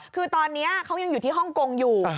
คือตอนนี้เขายังอยู่ที่ฮ่องกงอยู่